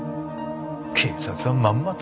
警察はまんまと。